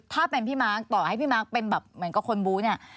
ถ้าเป็นพี่มาร์คต่อให้พี่มาร์คเป็นแบบเหมือนกับคนบู๊เนี่ย